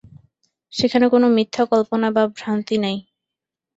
সেখানে কোন মিথ্যা কল্পনা বা ভ্রান্তি নাই।